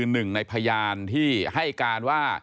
งวด๑พฤศจิกายน๒๕๖๐๕๓๓๗๒๖